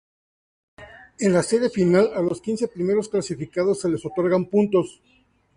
En la serie final a los quince primeros clasificados se les otorgaran puntos.